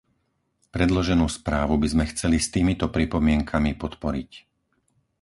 Predloženú správu by sme chceli s týmito pripomienkami podporiť.